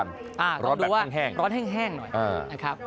ร้อนแบบแห้งหน่อยนะครับต้องดูว่าร้อนแห้งหน่อยนะครับ